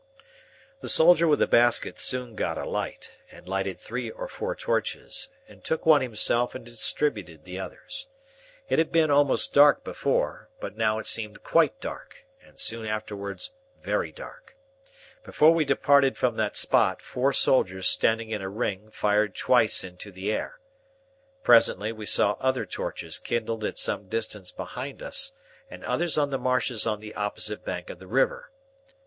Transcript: The soldier with the basket soon got a light, and lighted three or four torches, and took one himself and distributed the others. It had been almost dark before, but now it seemed quite dark, and soon afterwards very dark. Before we departed from that spot, four soldiers standing in a ring, fired twice into the air. Presently we saw other torches kindled at some distance behind us, and others on the marshes on the opposite bank of the river.